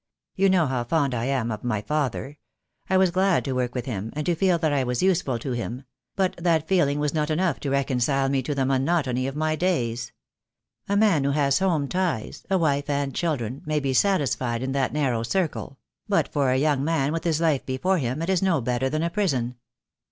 You know how fond I am of my father. I was glad to work with him, and to feel that I was useful to him; but that feeling was not enough to reconcile me to the monotony of my days. A man who has home ties — a wife and children — may be satisfied in that narrow circle; but for a young man with his life before him it is no better than a prison."